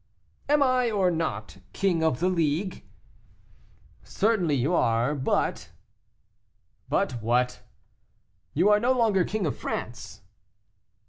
"Am I or not king of the League?" "Certainly you are; but " "But what?" "You are no longer King of France."